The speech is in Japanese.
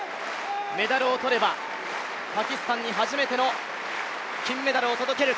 メダルをとればパキスタンに初めての金メダルを届ける。